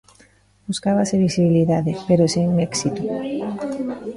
Buscábase visibilidade, pero sen éxito.